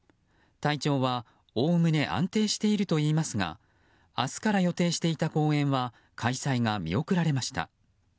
体調はおおむね安定しているといいますが明日から予定していた公演は開催が見送られました。